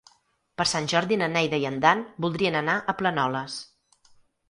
Per Sant Jordi na Neida i en Dan voldrien anar a Planoles.